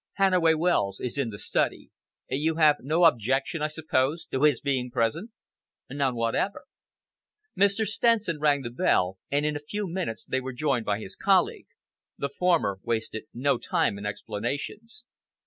Hannaway Wells is in the study. You have no objection, I suppose, to his being present?" "None whatever." Mr. Stenson rang the bell, and in a few minutes they were joined by his colleague. The former wasted no time in explanations.